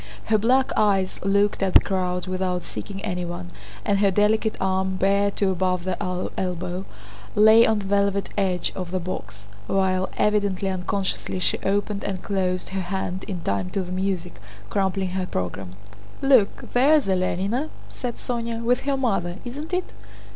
Her black eyes looked at the crowd without seeking anyone, and her delicate arm, bare to above the elbow, lay on the velvet edge of the box, while, evidently unconsciously, she opened and closed her hand in time to the music, crumpling her program. "Look, there's Alénina," said Sónya, "with her mother, isn't it?"